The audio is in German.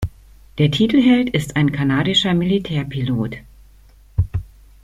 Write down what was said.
Der Titelheld ist ein kanadischer Militärpilot.